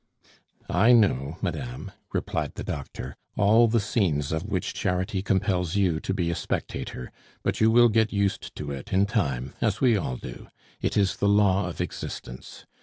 "I know, madame," replied the doctor, "all the scenes of which charity compels you to be a spectator; but you will get used to it in time, as we all do. It is the law of existence.